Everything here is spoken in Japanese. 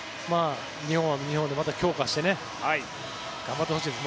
日本は日本でまた強化して頑張ってほしいです。